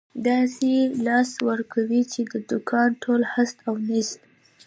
داسې له لاسه ورکوې، چې د دوکان ټول هست او نیست.